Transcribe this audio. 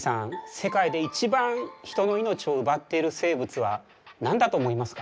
世界で一番人の命を奪っている生物は何だと思いますか？